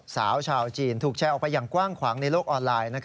สาวชาวจีนถูกแชร์ออกไปอย่างกว้างขวางในโลกออนไลน์